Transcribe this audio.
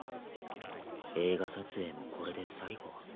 映画撮影もこれで最後。